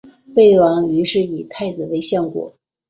魏王于是以太子为相国。